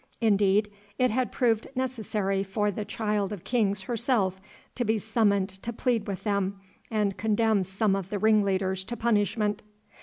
Indeed, it had proved necessary for the Child of Kings herself to be summoned to plead with them and condemn some of the ringleaders to punishment.